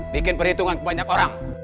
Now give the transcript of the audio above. bikin perhitungan kebanyak orang